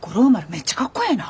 めっちゃかっこええな。